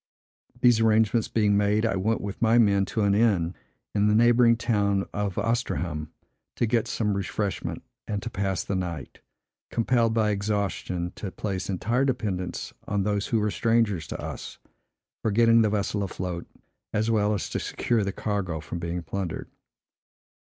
These arrangements being made, I went with my men to an inn, in the neighboring town of Oistreham, to get some refreshment, and to pass the night; compelled by exhaustion to place entire dependence on those who were strangers to us, for getting the vessel afloat, as well as to secure the cargo from being plundered.